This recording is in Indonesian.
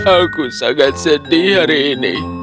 aku sangat sedih hari ini